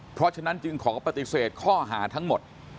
เพราะฉะนั้นจึงขอปฏิเสธข้อหาทั้งหมด